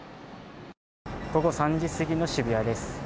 午後３時過ぎの渋谷です。